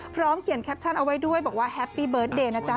พร้อมเขียนแคปชั่นเอาไว้ด้วยบอกว่าแฮปปี้เบิร์ตเดย์นะจ๊ะ